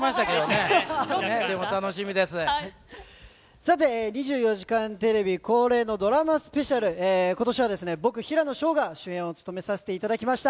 さて、２４時間テレビ恒例のドラマスペシャル、ことしはですね、僕、平野紫燿が主演を務めさせていただきました。